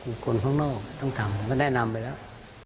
คนข้างนอกต้องทำก็แนะนำไปแล้ว